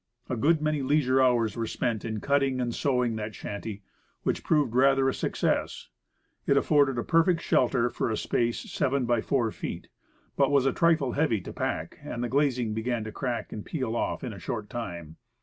A good many leisure hours were spent in cutting and sewing that shanty, which proved rather a success. It afforded a perfect shelter for a space 7x4 feet, but was a trifle heavy to pack, and the glazing began to crack and peel off in a short time.